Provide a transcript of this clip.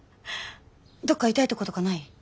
どっか痛いとことかない？